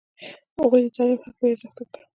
هغوی د تعلیم حق بې ارزښته کړ.